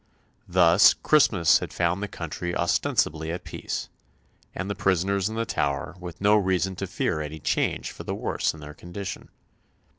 Thus Christmas had found the country ostensibly at peace, and the prisoners in the Tower with no reason to fear any change for the worse in their condition.